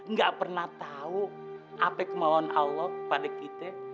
gak pernah tau apa kemauan allah pada kita